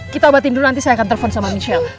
kita obatin dulu nanti saya akan telepon sama michelle